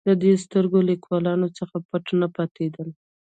د دې سترګور لیکوالانو څخه پټ نه پاتېدل.